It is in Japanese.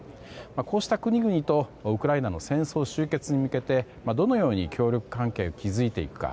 こうした国々とウクライナの戦争終結に向けてどのように協力関係を築いていけるか